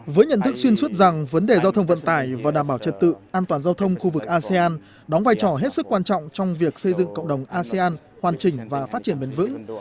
với nhận thức xuyên suốt rằng vấn đề giao thông vận tải và đảm bảo trật tự an toàn giao thông khu vực asean đóng vai trò hết sức quan trọng trong việc xây dựng cộng đồng asean hoàn chỉnh và phát triển bền vững